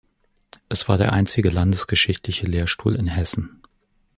Es war der einzige landesgeschichtliche Lehrstuhl in Hessen.